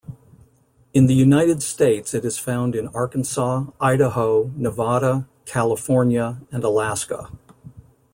In the United States it is found in Arkansas, Idaho, Nevada, California, and Alaska.